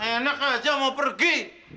enak aja mau pergi